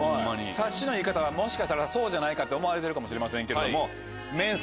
察しのいい方はもしかしたらそうじゃないかって思われてるかもしれませんけども。